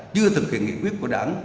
chưa thực hiện nghị quyết của đảng